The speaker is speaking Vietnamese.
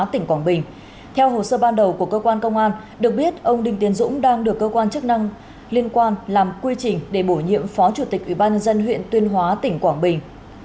tiến dũng đang được cơ quan chức năng liên quan làm quy trình để bổ nhiệm phó chủ tịch ubnd huyện tuyên hóa tỉnh quảng bình